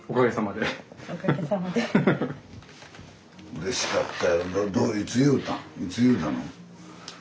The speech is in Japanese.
うれしかったやろ。